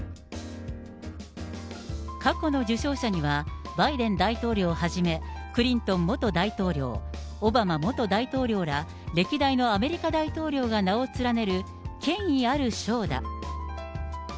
過去の受賞者には、バイデン大統領はじめ、クリントン元大統領、オバマ元大統領ら、歴代のアメリカ大統領が名を連ねる、権威ある賞だ。